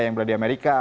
yang berada di amerika